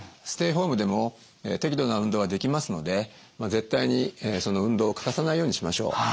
ステイホームでも適度な運動はできますので絶対に運動を欠かさないようにしましょう。